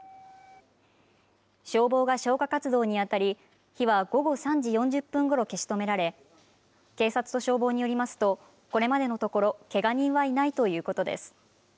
消防が消火活動に当たり、火は午後３時４０分ごろ消し止められ、警察と消防によりますと、これまでのところ、けが人はいないということです。